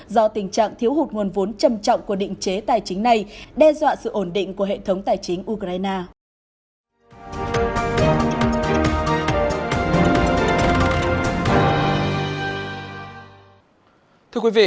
giảm thiếu hụt nguồn vốn trầm trọng của định chế tài chính này đe dọa sự ổn định của hệ thống tài chính ukraine